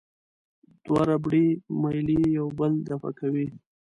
دوه ربړي میلې یو بل دفع کوي.